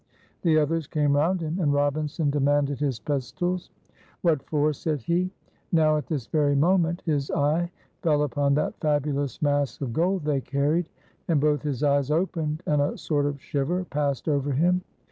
The others came round him, and Robinson demanded his pistols. "What for?" said he. Now at this very moment his eye fell upon that fabulous mass of gold they carried, and both his eyes opened, and a sort of shiver passed over him.